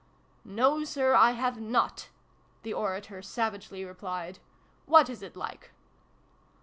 " No, Sir, I have not !" the orator savagely replied. " What is it like